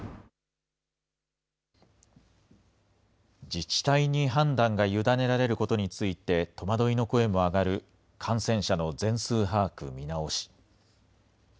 自治体に判断が委ねられることについて、戸惑いの声も上がる感染者の全数把握見直し。